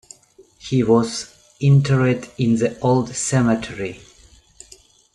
He was interred in the Old Cemetery.